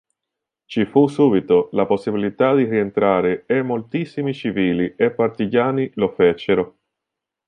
Ci fu subito la possibilità di rientrare e moltissimi civili e partigiani lo fecero.